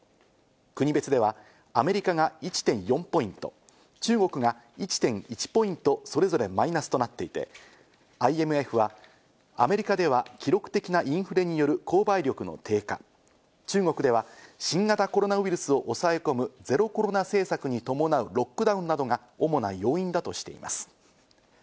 国別ではアメリカが１．４ポイント、中国は１．１ポイント、それぞれマイナスとなっていて、ＩＭＦはアメリカでは記録的なインフレによる購買力の低下、中国では新型コロナウイルスを抑え込むゼロコロナ政策に伴うロックダウンなどが主な要因だとしています。